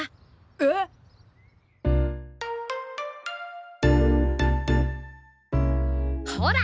えっ？ほら！